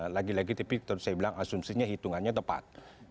lagi lagi tapi saya bilang asumsinya hitungannya tepat